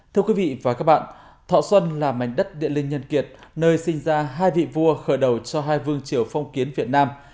thưa quý vị và các bạn thọ xuân là mảnh đất địa linh nhân kiệt nơi sinh ra hai vị vua khởi đầu cho hai vương triều phong kiến việt nam